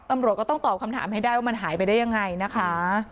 ตำรวจก็ต้องตอบคำถามให้ได้ว่ามันหายไปได้ยังไงนะคะ